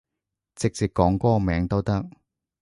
直接講歌名都得